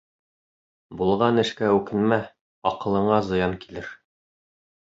Булған эшкә үкенмә, аҡылыңа зыян килер.